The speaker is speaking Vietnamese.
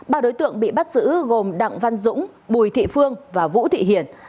bà đối tượng bị bắt giữ gồm đặng văn dũng bùi thị phương và vũ thị hiền